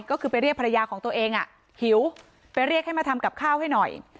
ก็คือไปเรียกภรรยาของตัวเองหิวไปเรียกให้มาทำกับข้าวให้หน่อย